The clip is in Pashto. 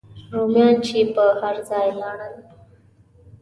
رومیان چې به هر ځای لاړل.